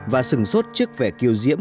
và sừng xuất trước vẻ kiều diễm